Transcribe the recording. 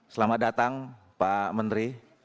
selamat datang pak menteri